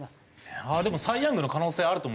でもサイ・ヤングの可能性あると思います。